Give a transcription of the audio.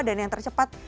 dan yang tercepat